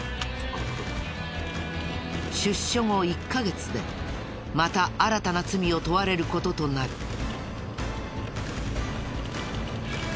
出所後１カ月でまた新たな罪を問われる事となる。